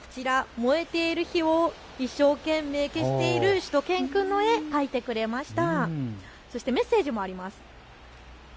こちら、燃えている火を一生懸命消しているしゅと犬くんの絵、描いてくれました。